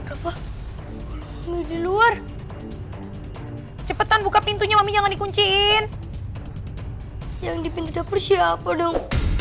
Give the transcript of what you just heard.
apa lu di luar cepetan buka pintunya mami jangan dikunciin yang dipindah persia apa dong